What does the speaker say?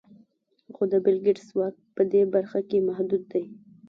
خو د بېل ګېټس واک په دې برخه کې محدود دی.